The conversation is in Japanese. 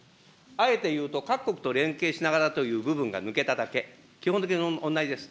あえて言うと各国と連携しながらという部分が抜けただけ、基本的に同じです。